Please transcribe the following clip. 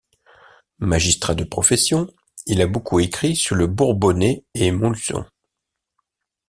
Magistrat de profession, il a beaucoup écrit sur le Bourbonnais et Montluçon.